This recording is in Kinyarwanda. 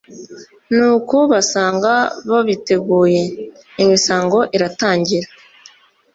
nuko basanga babiteguye, imisango iratangira